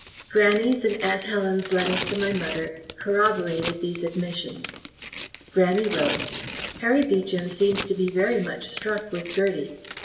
Grannie's and aunt Helen's letters to my mother corroborated these admissions. Grannie wrote: Harry Beecham seems to be very much struck with Gertie.